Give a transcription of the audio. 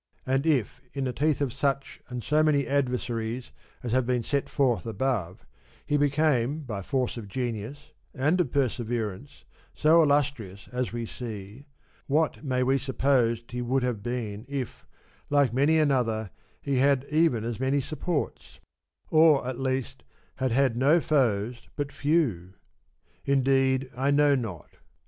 And if in the teeth of such and so many adversaries as have been set forth above, he became by force of genius and of perseverance so i illustrious as we see, what may we suppose he would ^ have been if, like many another, he had had even as many supports ; or, at least, had had no foes or but few ? Indeed I know not.